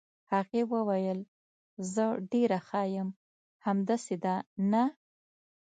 هغې وویل: زه ډېره ښه یم، همداسې ده، نه؟